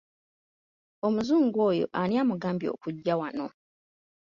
Omuzungu oyo ani amugambye okujja wano?